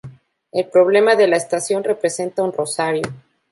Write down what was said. El emblema de la estación representa un rosario.